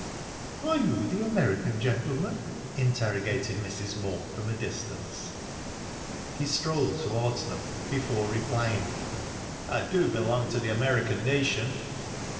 "Are you the American gentleman?" interrogated Mrs. Moor, from a distance. He strolled towards them before replying. "I do belong to the American nation."